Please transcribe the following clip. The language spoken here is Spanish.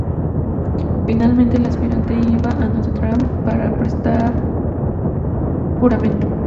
Finalmente, el aspirante iba a Notre-Dame para prestar juramento.